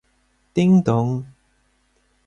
Ding Dong.